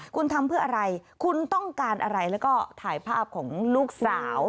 คุณทำเพื่ออะไรคุณต้องการอะไรแล้วก็ถ่ายภาพของลูกสาว